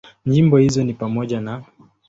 Nyimbo hizo ni pamoja na;